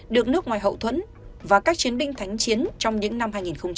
được nước ngoài hậu thuẫn và các chiến binh thánh chiến trong những năm hai nghìn một mươi chín